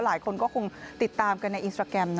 หลายคนก็คงติดตามกันในอินสตราแกรมนะ